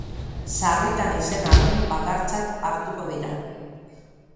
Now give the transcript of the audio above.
Sarritan izen arrunt bakartzat hartuko dira.